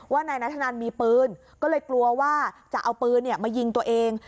นายนัทธนันมีปืนก็เลยกลัวว่าจะเอาปืนมายิงตัวเอง